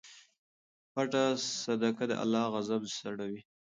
پټه صدقه د اللهﷻ غضب سړوي.